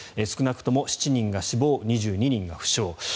少なくとも７人が死亡２２人が負傷。